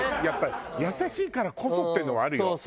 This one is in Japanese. やっぱり優しいからこそっていうのはあるよ。